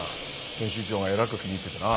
編集長がえらく気に入っててな。